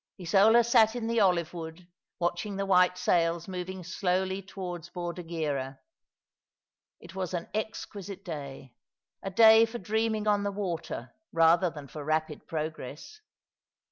Isola sat in the olive wood, watching the white sails moving slowly towards Bordighera. It was an exquisite day— a day for dreaming on the water rather than for rapid progress.